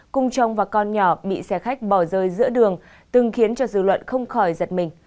cùng chồng và con nhỏ bị xe khách bỏ rơi giữa đường từng khiến cho dư luận không khỏi giật mình